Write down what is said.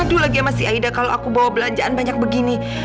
aduh lagi ama si aida kilowaku bawa belanjaan banyak begini